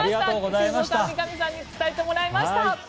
修造さん、三上さんに伝えてもらいました。